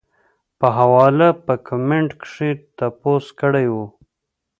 پۀ حواله پۀ کمنټ کښې تپوس کړے وۀ -